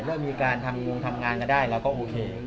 เริ่มมีการทำงานกันได้แล้วก็โอเค